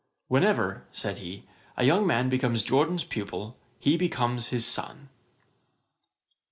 'Whenever (said he) a young man becomes Jorden's pupil, he becomes his son.'